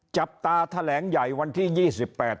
จับตาแถลงใหญ่วันที่ยี่สิบแปด